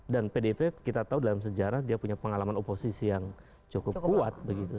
dan pdip kita tahu dalam sejarah dia punya pengalaman oposisi yang cukup kuat begitu